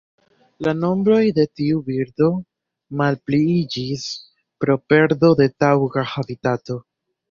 La nombroj de tiu birdo malpliiĝis pro perdo de taŭga habitato.